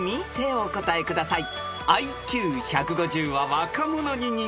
お答えください。